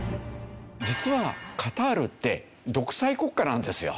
実はカタールって独裁国家なんですよ。